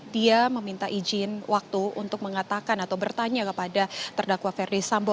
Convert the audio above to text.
dia meminta izin waktu untuk mengatakan atau bertanya kepada terdakwa ferdi sambo